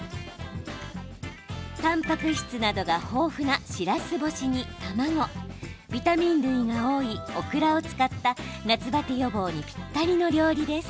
たんぱく質などが豊富なしらす干しに卵ビタミン類が多いオクラを使った夏バテ予防にぴったりの料理です。